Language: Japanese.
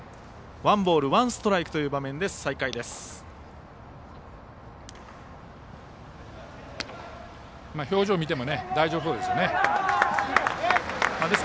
ワンボールワンストライクという場面で再開です。